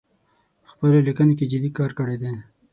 په خپلو لیکنو کې جدي کار کړی دی